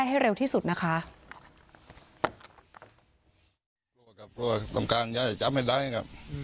ใช่ใช่มันหลายแรง